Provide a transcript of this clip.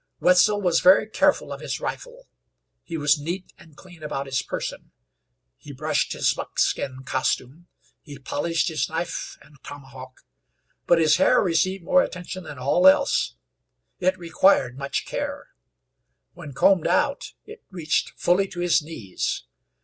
Wetzel was very careful of his rifle, he was neat and clean about his person, he brushed his buckskin costume, he polished his knife and tomahawk; but his hair received more attention than all else. It required much care. When combed out it reached fully to his knees.